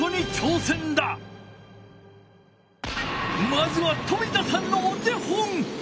まずは冨田さんのお手本！